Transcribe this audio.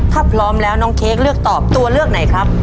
ถ้าพร้อมแล้วน้องเค้กเลือกตอบตัวเลือกไหนครับ